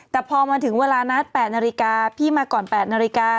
แต่พอมาถึงเวลานัด๘นาฬิกาพี่มาก่อน๘นาฬิกา